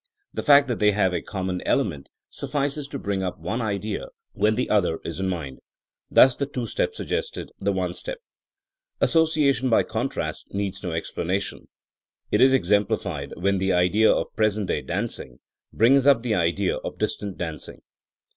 The fact that they have a common element suffices to THINEINa AS A SOIENOE 71 bring up one idea when the other is in mind: thus the two step suggested the one step. As sociation by contrast needs no explanation* It is exemplified when the idea of present day dancing brings up the idea of distant danc ing.